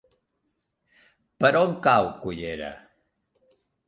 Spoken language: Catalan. Per on cau Cullera?